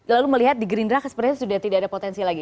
lalu melihat di gerindra sepertinya sudah tidak ada potensi lagi